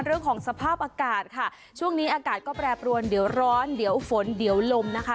เรื่องของสภาพอากาศค่ะช่วงนี้อากาศก็แปรปรวนเดี๋ยวร้อนเดี๋ยวฝนเดี๋ยวลมนะคะ